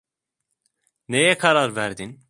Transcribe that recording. Neye karar verdin?